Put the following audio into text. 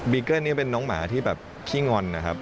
เกิ้ลนี่เป็นน้องหมาที่แบบขี้งอนนะครับ